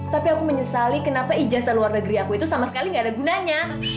tapi aku menyesali kenapa ijazah luar negeri aku itu sama sekali gak ada gunanya